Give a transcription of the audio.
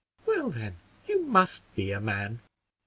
"Well, then, you must be a man."